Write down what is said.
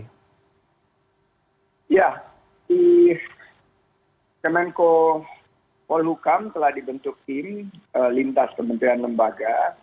ya di kemenko polhukam telah dibentuk tim lintas kementerian lembaga